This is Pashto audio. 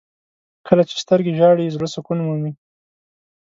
• کله چې سترګې ژاړي، زړه سکون مومي.